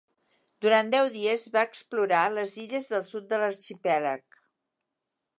Durant deu dies va explorar les illes del sud de l'arxipèlag.